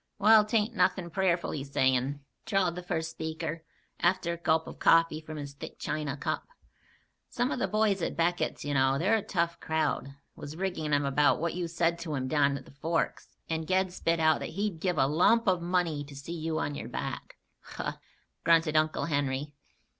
"Wal, 'tain't nothin' prayerful he's sayin'," drawled the first speaker, after a gulp of coffee from his thick china cup. "Some of the boys at Beckett's, you know, they're a tough crowd, was riggin' him about what you said to him down to the Forks, and Ged spit out that he'd give a lump of money to see you on your back." "Huh!" grunted Uncle Henry.